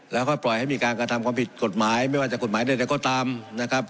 แล้วค่อยปล่อยให้มีการกระทำความผิดกฎหมายไม่ว่าจะกฎหมายใดก็ตามนะครับ